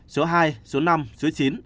số hai số năm số chín